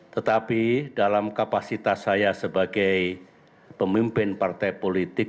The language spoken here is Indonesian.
tetapi dalam kapasitas saya sebagai pemimpin partai politik